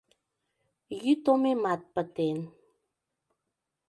Йӱд омемат пытен...